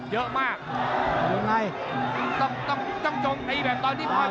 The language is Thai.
ต้องดิ้นนะพี่ฟ้า